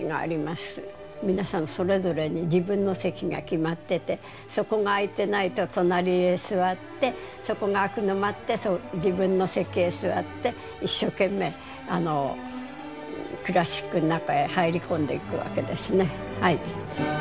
皆さんそれぞれに自分の席が決まっててそこが空いてないと隣へ座ってそこが空くの待って自分の席へ座って一生懸命クラシックの中へ入り込んでいくわけですね。